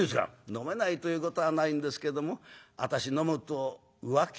『飲めないということはないんですけども私飲むと浮気っぽくなるんですもの』